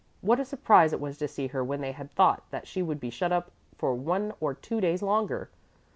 What a surprise it was to see her when they had thought that she would be shut up for one or two days longer!